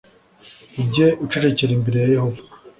Ujye ucecekera imbere ya Yehova